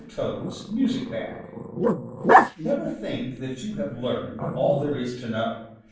TOAD'S MUSIC BAG Never think that you have learned All there is to know.